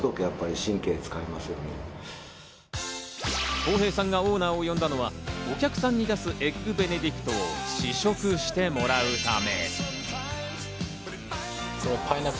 公平さんがオーナーを呼んだのはお客さんに出すエッグベネディクトを試食してもらうため。